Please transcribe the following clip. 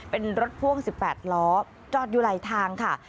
เป็นรถพ่วงสิบแปดล้อจอดอยู่ลายทางค่ะ